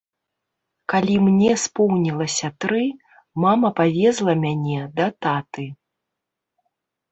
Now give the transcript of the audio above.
Калі мне споўнілася тры, мама павезла мяне да таты.